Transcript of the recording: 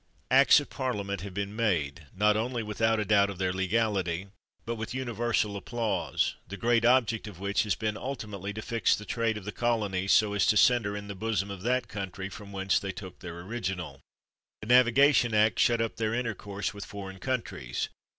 Acts of Parliament have been made, not only without a doubt of their legality, but with uni versal applause, the great object of which has been ultimately to fix the trade of the colonies so as to center in the bosom of that country from whence they took their original. The Nav igation Act shut up their intercourse with foreign countries.